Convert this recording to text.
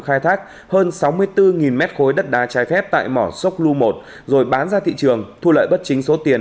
khai thác hơn sáu mươi bốn mét khối đất đá trái phép tại mỏ sốc lu một rồi bán ra thị trường thu lợi bất chính số tiền